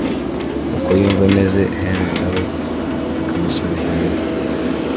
uko yumva ameze Henry nawe akamusubiza bimwe